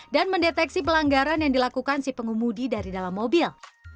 dan mendeteksi pelanggaran yang dilakukan si pengumudi dari dalam mobil